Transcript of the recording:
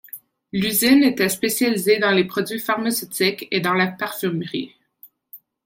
L’usine était spécialisée dans les produits pharmaceutiques et dans la parfumerie.